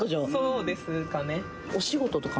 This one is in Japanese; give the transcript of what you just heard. そうですかね？